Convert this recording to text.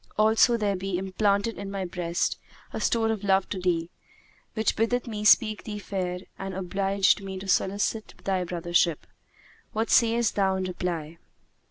Also, there be implanted in my breast a store of love to thee, which biddeth me speak thee fair and obligeth me to solicit thy brothership. What sayest thou in reply?"